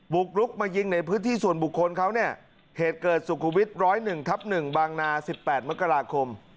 กรุกมายิงในพื้นที่ส่วนบุคคลเขาเนี่ยเหตุเกิดสุขุวิต๑๐๑ทับ๑บางนา๑๘มกราคม